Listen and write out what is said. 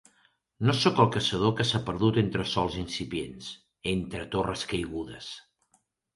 No sóc el caçador que s'ha perdut entre sols incipients, entre torres caigudes.